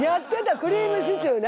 クリームシチューな。